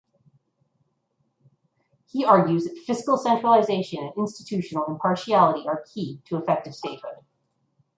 He argues that fiscal centralization and institutional impartiality are key to effective statehood.